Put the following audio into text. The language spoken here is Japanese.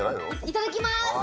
いただきます！